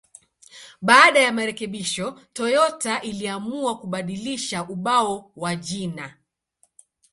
Baada ya marekebisho, Toyota iliamua kubadilisha ubao wa jina.